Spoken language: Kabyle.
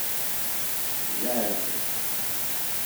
D leɛǧeb!